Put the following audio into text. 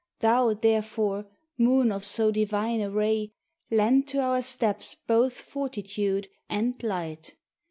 Thou, therefore, moon of so divine a ray, Lend to our steps both fortitude and light!